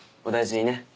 お大事にね。